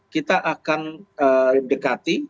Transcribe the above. kita akan dekati